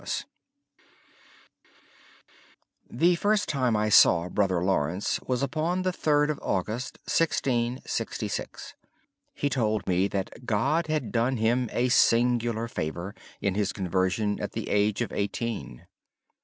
First Conversation: The first time I saw Brother Lawrence was upon the 3rd of August, 1666. He told me that God had done him a singular favor in his conversion at the age of eighteen.